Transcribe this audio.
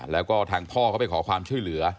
แล้วก็ทางพ่อเขาไปขอความช่วยเหลือ